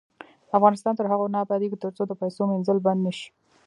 افغانستان تر هغو نه ابادیږي، ترڅو د پیسو مینځل بند نشي.